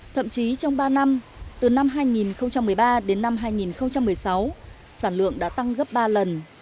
thậm chí trong ba năm từ năm hai nghìn một mươi ba đến năm hai nghìn một mươi sáu sản lượng đã tăng gấp ba lần